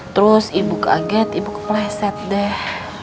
terus ibu kaget ibu kepleset deh